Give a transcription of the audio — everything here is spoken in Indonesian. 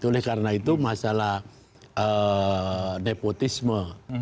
oleh karena itu masalah nepotisme